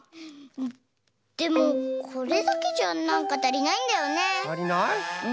でもこれだけじゃなんかたりないんだよね。